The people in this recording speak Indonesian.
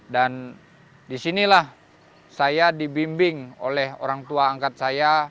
dan disinilah saya dibimbing oleh orang tua angkat saya